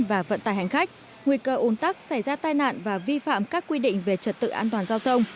và vận tài hành khách nguy cơ ủn tắc xảy ra tai nạn và vi phạm các quy định về trật tự an toàn giao thông